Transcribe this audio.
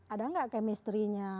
ada nggak kemestrinya